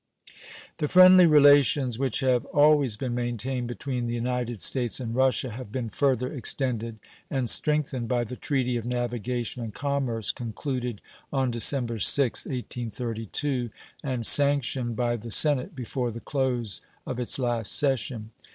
The friendly relations which have always been maintained between the United States and Russia have been further extended and strengthened by the treaty of navigation and commerce concluded on December 6th, 1832, and sanctioned by the Senate before the close of its last session.